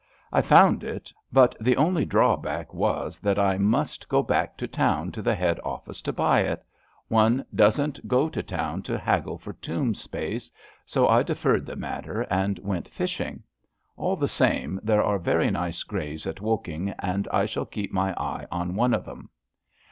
I found it, but the only drawback was that I must go back to town to the head oflfice to buy it. One doesn't go to town to haggle for tomb space, so I deferred the matter and went fishing. All the same, there are very nice graves at Woking, and I shall keep my eye on one of ^em.